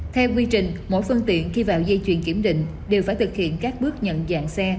theo quy trình mỗi phương tiện khi vào dây chuyền kiểm định đều phải thực hiện các bước nhận dạng xe